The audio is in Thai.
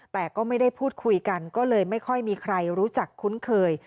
แต่ก็ไม่ได้พูดคุยกันก็เลยไม่ค่อยมีใครรู้จักคุ้นเคย